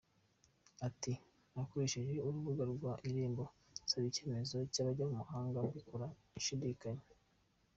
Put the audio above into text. Ati" Nakoresheje urubuga rwa Irembo nsaba icyemezo cy’abajya mu mahanga mbikora nshidikanya.